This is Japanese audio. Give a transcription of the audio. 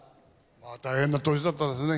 まあ大変な年だったですね。